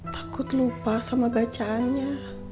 takut lupa sama bacaannya